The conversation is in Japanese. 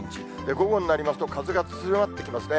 午後になりますと、風が強まってきますね。